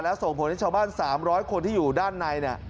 และส่งผลให้ชาวบ้าน๓๐๐คนที่อยู่ด้านใน